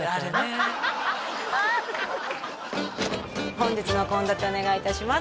本日の献立お願いいたします